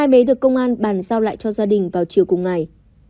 hai bé được công an bàn giao lại cho gia đình vào chiều cùng ngày